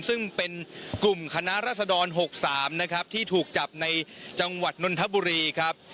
ซึ่งเป็นกลุ่มคณะรัศดร๖๓นะครับที่ถูกจับในจังหวัดนนทบุรีครับ